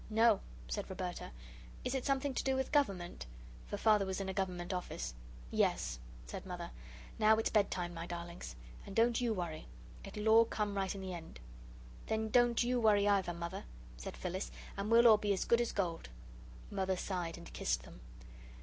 "No," said Roberta; "is it something to do with Government?" For Father was in a Government Office. "Yes," said Mother. "Now it's bed time, my darlings. And don't YOU worry. It'll all come right in the end." "Then don't YOU worry either, Mother," said Phyllis, "and we'll all be as good as gold." Mother sighed and kissed them.